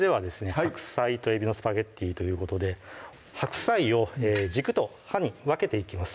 「白菜とえびのスパゲッティ」ということで白菜を軸と葉に分けていきます